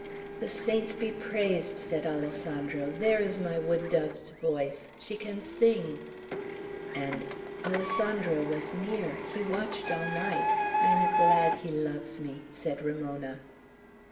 "The saints be praised," said Alessandro. "There is my wood dove's voice. She can sing!" And, "Alessandro was near. He watched all night. I am glad he loves me," said Ramona.